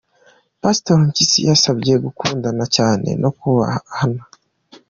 Pastor Mpyisi yabasabye gukundana cyane no kubahana.